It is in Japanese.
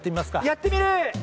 やってみる！